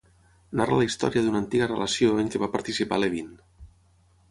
Narra la història d'una antiga relació en què va participar Levine.